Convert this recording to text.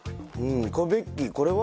ベッキーこれは？